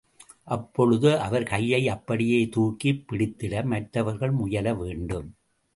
அப்பொழுது, அவர் கையை அப்படியே தூக்கிப் பிடித்திட மற்றவர்கள் முயல வேண்டும்.